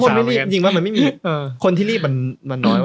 จริงมันไม่มีคนที่รีบมันน้อย